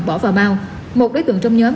bỏ vào bao một đối tượng trong nhóm